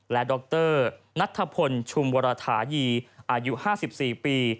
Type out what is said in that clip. และดรนัทธพลชุมวรฐานีอายุ๕๔ปี